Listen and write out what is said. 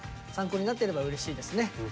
参考になっていればうれしいですね。